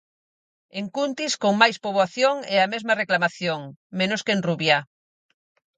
En Cuntis, con máis poboación e a mesma reclamación, menos que en Rubiá.